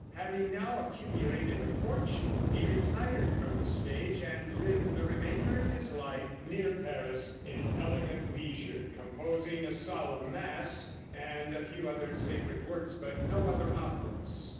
Having now accumulated a fortune, he retired from the stage and lived the remainder of his life near Paris in elegant leisure, composing a solemn mass and a few other sacred works, but no other operas.